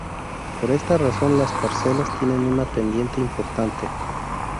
Por esta razón las parcelas tienen una pendiente importante.